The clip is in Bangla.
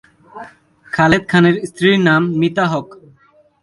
খালেদ খানের স্ত্রীর নাম মিতা হক।